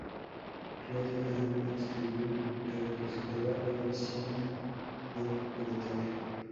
Clodio era un ex tribuno que representaba la oficina del pretor.